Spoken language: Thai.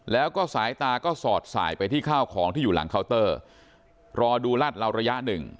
แล้วก็สายตาก็สอดสายไปที่ข้าวของที่อยู่หลังเคาน์เตอร์รอดูลาดเหลาระยะหนึ่ง